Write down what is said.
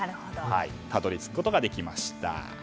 たどり着くことができました。